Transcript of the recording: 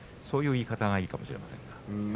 そういう言い方がいいかもしれません。